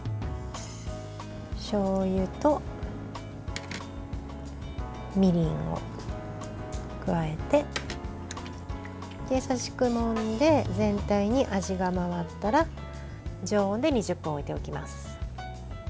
しょうゆとみりんを加えて優しくもんで全体に味が回ったら常温で２０分置いておきます。